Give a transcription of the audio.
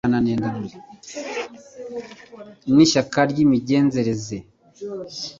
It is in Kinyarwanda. n'ishyaka by'imigenzereze